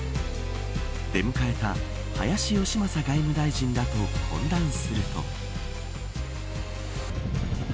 出迎えた林芳正外務大臣らと懇談すると。